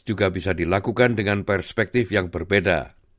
juga bisa dilakukan dengan perspektif yang berbeda